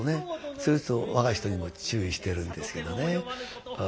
それちょっと若い人にも注意してるんですけどね。